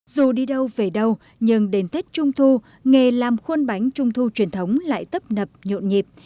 dù đi đâu về đâu nhưng đến tết trung thu nghề làm khuôn bánh trung thu truyền thống lại tấp nập nhộn nhịp